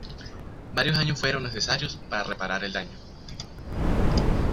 Varios años fueron necesarios para reparar el daño.